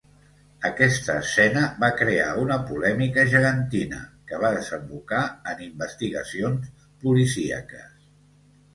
Aquesta escena va crear una polèmica gegantina que va desembocar en investigacions policíaques.